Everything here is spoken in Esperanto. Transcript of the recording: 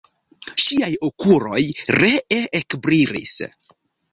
Ŝiaj okuloj ree ekbrilis.